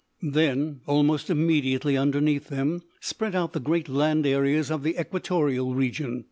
Then, almost immediately underneath them, spread out the great land areas of the equatorial region.